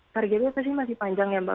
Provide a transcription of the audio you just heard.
targetnya pasti masih panjang ya mbak